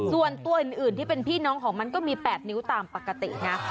ส่วนตัวอื่นที่เป็นพี่น้องของมันก็มี๘นิ้วตามปกตินะ